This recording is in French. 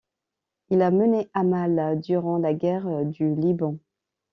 Il a mené Amal durant la Guerre du Liban.